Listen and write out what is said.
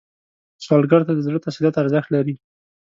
سوالګر ته د زړه تسلیت ارزښت لري